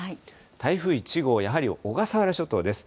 台風１号、やはり小笠原諸島です。